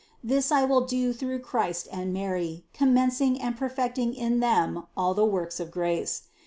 This I will do through Christ and Mary, commencing and perfect ing in Them all the works of grace.